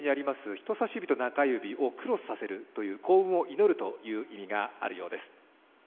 人さし指と中指をクロスさせるという、幸運を祈るという意味があるそうです。